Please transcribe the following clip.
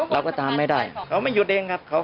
เราก็ตามไม่ได้เขาไม่หยุดเองครับ